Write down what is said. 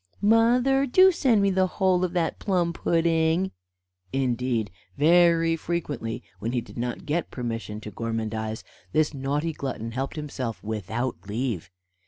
"Mother, do send me the whole of that plum pudding." Indeed, very frequently, when he did not get permission to gormandize, this naughty glutton helped himself without leave.